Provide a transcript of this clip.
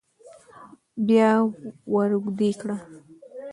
بيا وراوږدې کړه